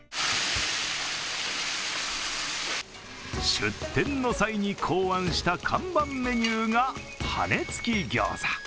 出店の際に考案した看板メニューが羽根付きギョーザ。